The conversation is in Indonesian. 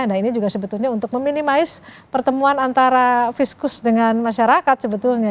nah ini juga sebetulnya untuk meminimais pertemuan antara fiskus dengan masyarakat sebetulnya